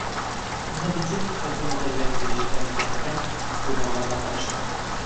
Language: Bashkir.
Уны нисек хөкүм итергә тейештәр икәнлеген күҙалларға тырышты.